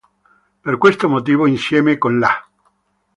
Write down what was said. Per questo motivo insieme con la...